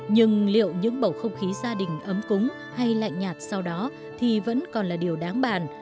nhưng liệu những bầu không khí gia đình ấm cúng hay lạnh nhạt sau đó thì vẫn còn là điều đáng bàn